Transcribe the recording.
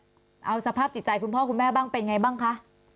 คุณพ่อคุณแม่เอาสภาพจิตใจคุณพ่อคุณแม่บ้างเป็นไงบ้างคะ